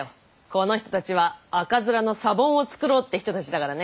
この人たちは赤面のサボンを作ろうって人たちだからね。